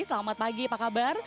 selamat pagi pak kabar